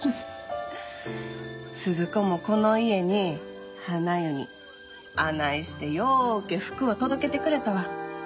鈴子もこの家にはな湯にあないしてようけ福を届けてくれたわ。